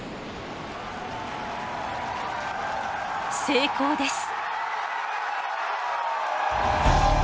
成功です！